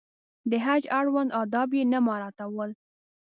د حج اړوند آداب یې نه مراعاتول.